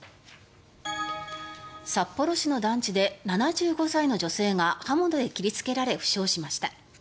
札幌市の団地で７５歳の女性が刃物で切りつけられ負傷しました。